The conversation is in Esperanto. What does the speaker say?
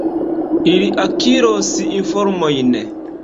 Ili akiros informojn.